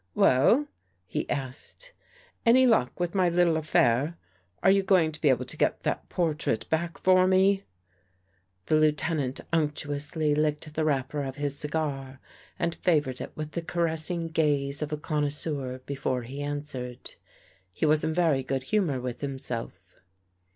"Well?" he asked. "Any luck with my little affair? Are you going to be able to get that por trait back for me? " The Lieutenant unctuously licked the wrapper of his cigar and favored it with the caressing gaze of a connoisseur, before he answered. He was in very good humor with himself.